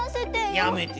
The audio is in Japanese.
やめて。